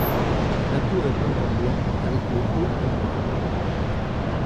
La tour est peinte en blanc, avec le haut en noir.